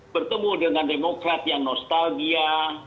bertemu dengan demokrat yang nostalgia